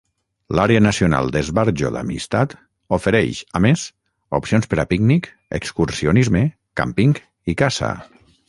L'àrea nacional d'esbarjo d'Amistad ofereix, a més, opcions per a pícnic, excursionisme, càmping i caça.